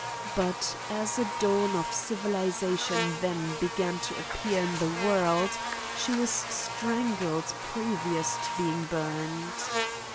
But as a dawn of civilization then began to appear in the world, she was strangled previous to being burned.